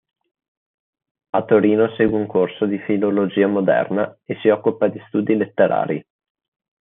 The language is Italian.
A Torino segue un corso di filologia moderna e si occupa di studi letterari.